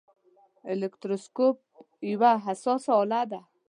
الکتروسکوپ یوه حساسه آله ده.